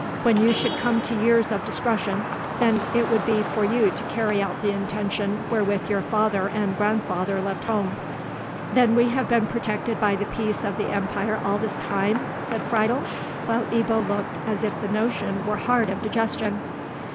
When you should come to years of discretion, then it would be for you to carry out the intention wherewith your father and grandfather left home." "Then we have been protected by the peace of the empire all this time?" said Friedel, while Ebbo looked as if the notion were hard of digestion.